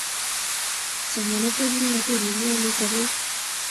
somanet ko kimnatet nekiwale sapet